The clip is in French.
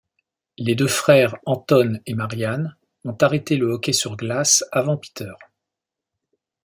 Les deux frères Anton et Marián ont arrêté le hockey sur glace avant Peter.